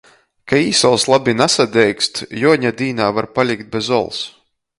Ka īsols labi nasadeigst, Juoņa dīnā var palikt bez ols.